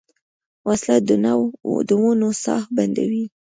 وسله د ونو ساه بندوي